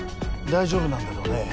大丈夫なんだろうね？